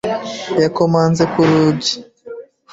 Yakomanze ku rugi.